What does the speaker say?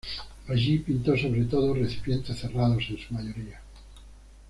Allí pintó sobre todo recipientes cerrados en su mayoría.